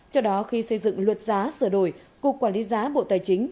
cho đó khi xây dựng luật giá sửa đổi cục quản lý giá bộ tài chính